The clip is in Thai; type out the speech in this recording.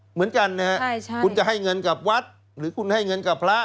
เหมือนกันนะฮะคุณจะให้เงินกับวัดหรือคุณให้เงินกับพระ